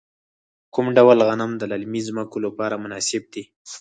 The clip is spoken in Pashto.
کوم ډول غنم د للمي ځمکو لپاره مناسب دي؟